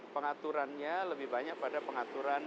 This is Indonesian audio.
pengaturannya lebih banyak pada pengaturan